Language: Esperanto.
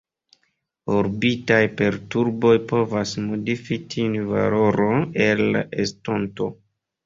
Orbitaj perturboj povas modifi tiun valoron en la estonto.